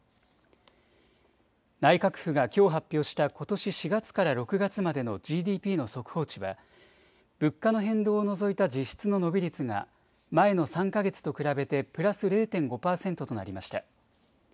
内閣府がきょう発表したことし４月から６月までのＧＤＰの速報値は物価の変動を除いた実質の伸び率が前の３か月と比べてプラス０．５％となりました。